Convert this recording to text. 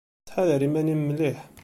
Ttḥadar iman-nnem mliḥ.